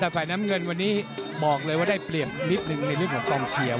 แต่ฝ่ายน้ำเงินวันนี้บอกเลยว่าได้เปลี่ยนลิฟต์หนึ่งในลิฟต์ของกองเชียร์